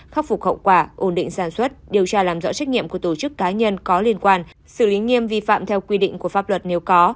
khắc phục hậu quả ổn định sản xuất điều tra làm rõ trách nhiệm của tổ chức cá nhân có liên quan xử lý nghiêm vi phạm theo quy định của pháp luật nếu có